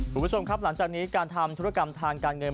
คุณผู้ชมครับหลังจากนี้การทำธุรกรรมทางการเงิน